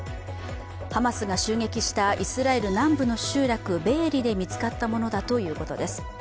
ハマスが襲撃したイスラエル南部の集落ベエリで見つかったものだということです。